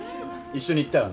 一緒に行ったよね。